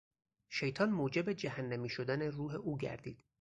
شیطان موجب جهنمی شدن روح او گردید.